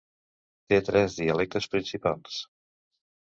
Té tres dialectes principals.